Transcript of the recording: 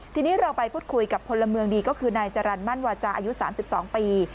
ทีนี้เราไปพูดคุยกับพลเมืองดีก็คือนายจรรย์มั่นวาจาอายุ๓๒ปี